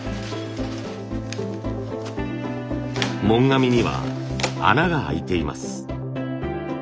紋紙には穴が開いています。